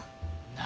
何！？